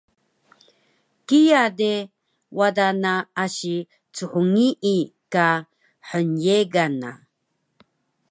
kiya de wada na asi chngii ka hnyegan na